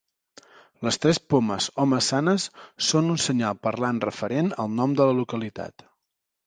Les tres pomes, o maçanes, són un senyal parlant referent al nom de la localitat.